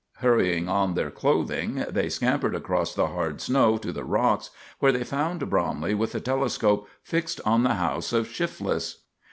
Hurrying on their clothing, they scampered across the hard snow to the rocks, where they found Bromley with the telescope fixed on the house of Shifless.